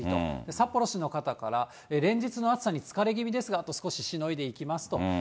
札幌市の方から、連日の暑さに疲れ気味ですが、あと少ししのいでいきますと。